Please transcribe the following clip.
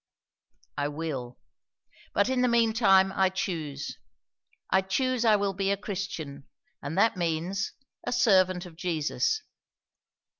I will. But in the mean time I choose. I choose I will be a Christian, and that means, a servant of Jesus.